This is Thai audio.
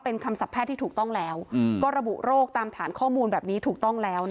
เป็นคำศัพท์แพทย์ที่ถูกต้องแล้ว